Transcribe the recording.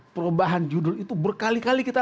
perubahan judul itu berkali kali kita